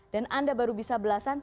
dan anda baru bisa belasan